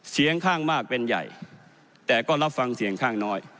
เสียงข้างมากเป็นใหญ่แต่ก็รับฟังเสียงข้างน้อย